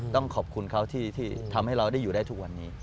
ต้องขอบคุณเขาที่ทำให้เราได้อยู่ได้ทุกวันนี้